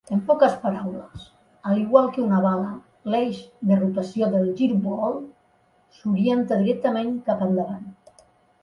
En poques paraules, al igual que una bala, l"eix de rotació del giro-ball s"orienta directament cap endavant.